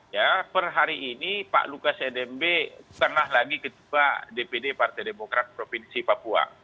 ya per hari ini pak lukas nmb pernah lagi ketua dpd partai demokrat provinsi papua